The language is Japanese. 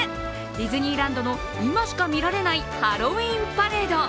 ディズニーランドの今しか見られないハロウィーンパレード。